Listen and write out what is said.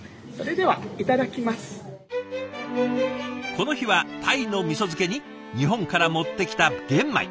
この日はタイの味漬けに日本から持ってきた玄米。